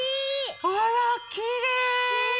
あらきれい！